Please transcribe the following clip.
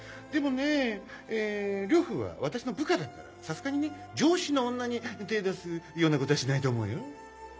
でもねぇ呂布は私の部下だからさすがにね上司の女に手ぇ出すようなことはしないと思うよ。